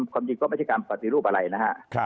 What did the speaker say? ความจริงก็ไม่ใช่การปฏิรูปอะไรนะฮะ